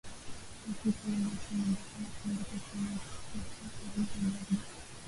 afrika mambo si mengi sana kumbuka kwamba kwa sasa hivi labda